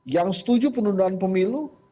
yang setuju penundaan pemilu